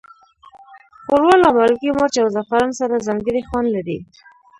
ښوروا له مالګې، مرچ، او زعفران سره ځانګړی خوند لري.